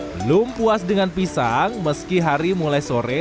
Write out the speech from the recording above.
belum puas dengan pisang meski hari mulai sore